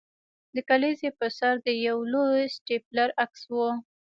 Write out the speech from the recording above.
د کلیزې پر سر د یو لوی سټیپلر عکس و